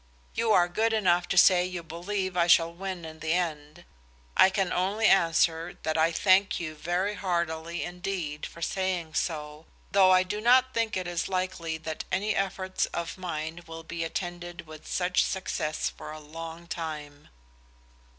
You are good enough to say you believe I shall win in the end; I can only answer that I thank you very heartily indeed for saying so, though I do not think it is likely that any efforts of mine will be attended with success for a long time.